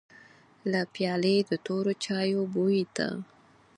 له پيالې د تورو چايو بوی ته.